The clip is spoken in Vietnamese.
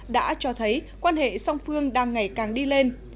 đã cho thấy quan hệ song phương đang ngày càng đi lên